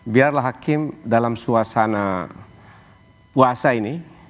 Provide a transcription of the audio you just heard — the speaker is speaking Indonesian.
biarlah hakim dalam suasana puasa ini